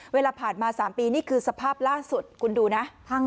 เวลาผ่านมา๓ปีนี่คือสภาพล่าสุดคุณดูนะ